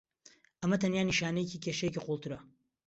ئەمە تەنیا نیشانەیەکی کێشەیەکی قوڵترە.